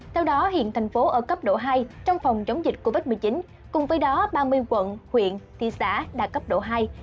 theo đó hiện thành phố ở cấp độ hai trong phòng chống dịch covid một mươi chín cùng với đó ba mươi quận huyện thị xã đạt cấp độ hai